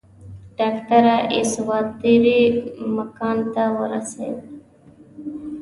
ډاکټره اساطیري مکان ته ورسېده.